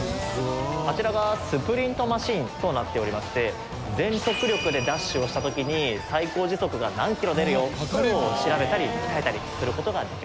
あちらがスプリントマシンとなっておりまして全速力でダッシュをした時に最高時速が何キロ出るよっていうのを調べたり鍛えたりする事ができます。